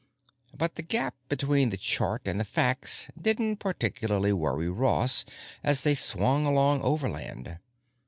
But the gap between the chart and the facts didn't particularly worry Ross as they swung along overland.